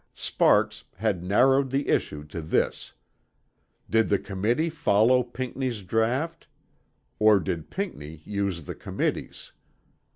Sparks had narrowed the issue to this, "Did the Committee follow Pinckney's draught or did Pinckney use the Committee's?"